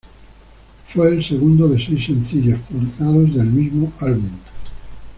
Fue el segundo de seis sencillos publicados del mismo álbum.